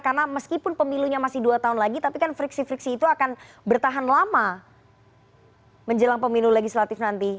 karena meskipun pemilunya masih dua tahun lagi tapi kan friksi friksi itu akan bertahan lama menjelang pemilu legislatif nanti